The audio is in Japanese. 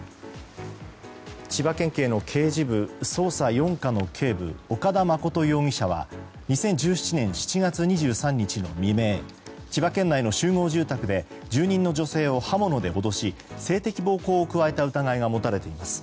千葉県警の刑事部捜査４課の警部岡田誠容疑者は２０１７年７月２３日の未明千葉県内の集合住宅で住人の女性を刃物で脅し性的暴行を加えた疑いが持たれています。